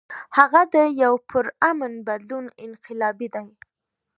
هغه د يو پُرامن بدلون انقلابي دے ۔